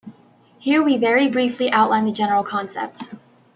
Here we very briefly outline the general concept.